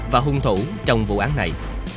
và hung thủ trong vụ án này